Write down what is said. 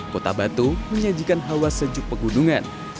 kota batu menyajikan hawa sejuk pegunungan